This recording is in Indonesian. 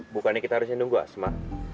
bukannya kita harusnya nunggu asma